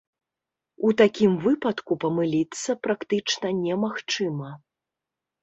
У такім выпадку памыліцца практычна немагчыма.